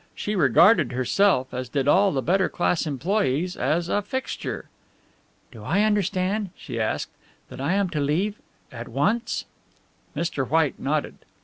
She regarded herself, as did all the better class employees, as a fixture. "Do I understand," she asked, "that I am to leave at once?" Mr. White nodded.